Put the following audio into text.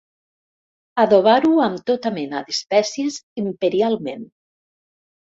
Adobar-ho amb tota mena d'espècies, imperialment.